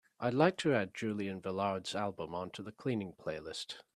I'd like to add Julian Velard's album onto the cleaning playlist.